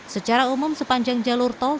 secara umum sepanjang jalur tol tidak isinya